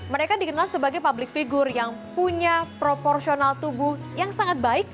mereka dikenal sebagai public figure yang punya proporsional tubuh yang sangat baik